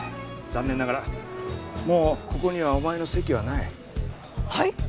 残念ながらもうここにはお前の席はない。